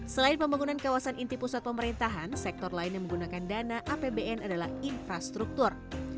selain pembangunan kawasan inti pusat pemerintahan sektor lain yang menggunakan dana apbn adalah infrastruktur